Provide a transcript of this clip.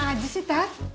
kemana aja sih terra